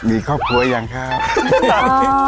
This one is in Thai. มีครอบครัวยังครับ